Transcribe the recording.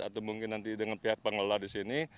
atau mungkin nanti dengan pihak pengelola di sini